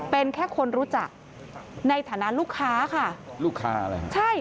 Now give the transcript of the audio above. เป็นแค่คนรู้จักในฐานะลูกค้าค่ะลูกค้าอะไรฮะใช่